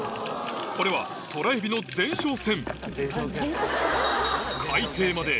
これはトラエビの前哨戦